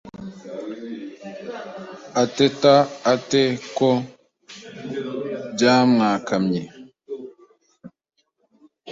ateta ate ko byamwkamye